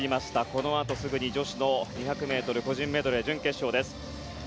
このあとすぐに女子の２００ｍ個人メドレー準決勝です。